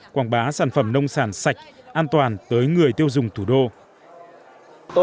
quảng bá sản phẩm nông sản sạch an toàn tới người tiêu dùng thủ đô